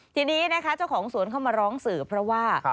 ทีนี้นะคะเจ้าของสวนเข้ามาร้องสื่อเพราะว่า